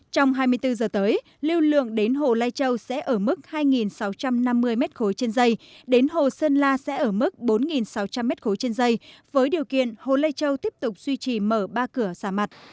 trong hai mươi bốn giờ tới lưu lượng đến hồ lai châu sẽ ở mức hai sáu trăm năm mươi m ba trên dây đến hồ sơn la sẽ ở mức bốn sáu trăm linh m ba trên dây với điều kiện hồ lây châu tiếp tục duy trì mở ba cửa xà mặt